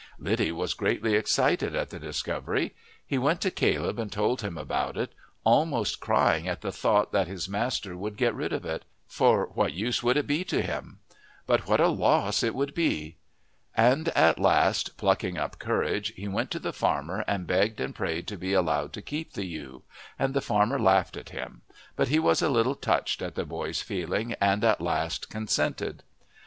Liddy was greatly excited at the discovery; he went to Caleb and told him about it, almost crying at the thought that his master would get rid of it. For what use would it be to him? but what a loss it would be! And at last, plucking up courage, he went to the farmer and begged and prayed to be allowed to keep the ewe, and the farmer laughed at him; but he was a little touched at the boy's feeling, and at last consented.